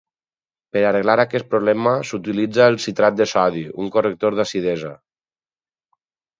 Per arreglar aquest problema s'utilitza el citrat de sodi, un corrector d'acidesa.